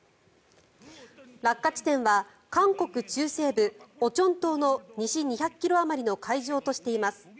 落下地点は韓国中西部オチョン島の西２００ｋｍあまりの海上としています。